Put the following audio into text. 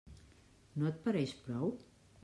No et pareix prou?